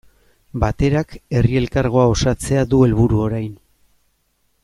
Baterak Herri Elkargoa osatzea du helburu orain.